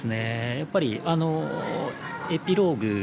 やっぱりあのエピローグ。